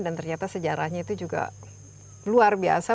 dan ternyata sejarahnya itu juga luar biasa